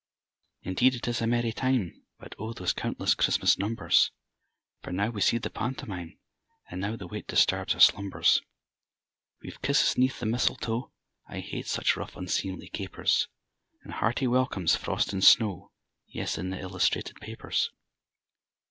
_) Indeed it is a merry time; (But O! those countless Christmas numbers!) For now we see the pantomime, (And now the waits disturb our slumbers.) We've kisses 'neath the mistletoe (I hate such rough, unseemly capers!) And hearty welcomes, frost and snow; (_Yes, in the illustrated papers.